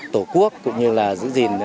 tổ quốc cũng như là giữ gìn